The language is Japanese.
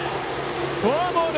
フォアボール。